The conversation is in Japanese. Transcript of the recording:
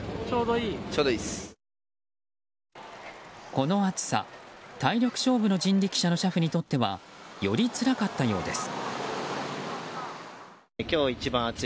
この暑さ、体力勝負の人力車の車夫にとってはより、つらかったようです。